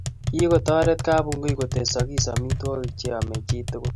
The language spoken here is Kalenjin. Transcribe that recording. Kikotoret kapungui kotesakis amitwogik che yomei chiitugul